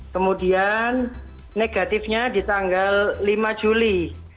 kemudian negatifnya di tanggal lima juli